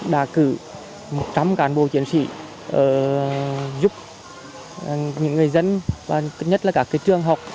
đã cử một trăm linh cán bộ chiến sĩ giúp những người dân và thứ nhất là các trường học